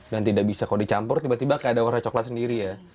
dan tidak bisa kalau dicampur tiba tiba kayak ada warna coklat sendiri ya